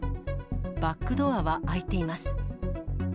バックドアは開いています。